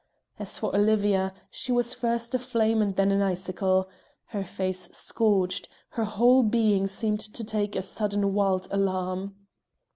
As for Olivia, she was first a flame and then an icicle. Her face scorched; her whole being seemed to take a sudden wild alarm.